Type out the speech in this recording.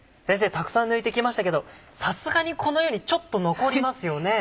たくさん抜いてきましたけどさすがにこのようにちょっと残りますよね？